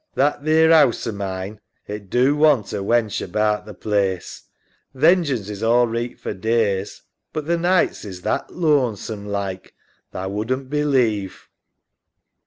That theer 'ouse o' mine, it do want a wench about th' plaice. Th' engines is all reeght for days, but th' neeghts is that lonesome like tha wouldn't believe.